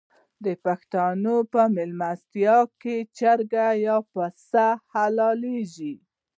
د پښتنو په میلمستیا کې چرګ یا پسه حلاليږي.